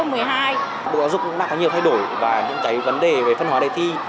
bộ giáo dục cũng đã có nhiều thay đổi và những cái vấn đề về phân hóa đề thi